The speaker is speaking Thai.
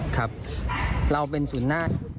ครับเราเป็นศูนย์นาค